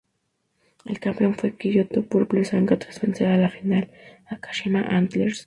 El campeón fue Kyoto Purple Sanga, tras vencer en la final a Kashima Antlers.